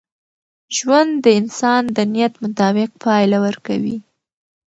ژوند د انسان د نیت مطابق پایله ورکوي.